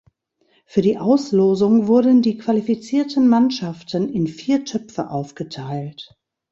Für die Auslosung wurden die qualifizierten Mannschaften in vier Töpfe aufgeteilt.